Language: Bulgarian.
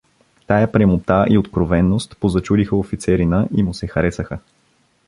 Тая прямота и откровеност позачудиха офицерина и му се харесаха.